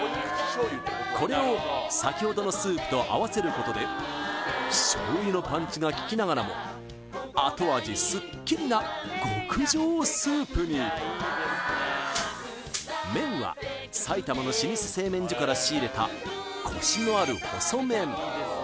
これをさきほどのスープとあわせることで醤油のパンチがききながらも後味すっきりな極上スープに麺は埼玉の老舗製麺所から仕入れたコシのある細麺